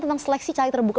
tentang seleksi calon terbuka